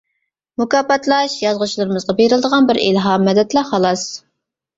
مۇكاپاتلاش يازغۇچىلىرىمىزغا بېرىلىدىغان بىر ئىلھام، مەدەتلا خالاس.